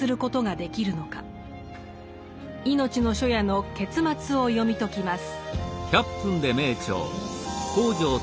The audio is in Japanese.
「いのちの初夜」の結末を読み解きます。